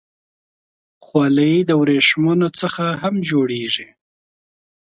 خولۍ د ورېښمو څخه هم جوړېږي.